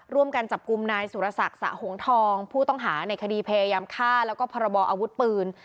ร่วมกันจับกลุ่มนายสุรศักดิ์สะหงทองผู้ต้องหาในคดีพยายามฆ่าแล้วก็พรบออาวุธปืน